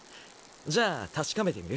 じゃあ確かめてみる？